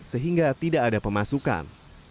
sehingga tidak ada pemasukan